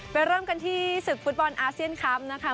ไปเริ่มกันที่ฝุ่ตบอลอาเซียนคัพนะคะ